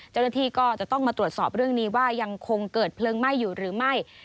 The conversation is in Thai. เจ้าหน้าที่ก็จะต้องมาตรวจสอบเรื่องนี้ว่ายังคงเกิดเพลิงไหม้อยู่หรือไม่